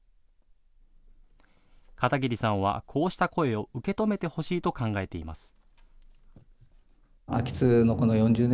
片桐さんはこうした声を受け止めてほしいと考えています。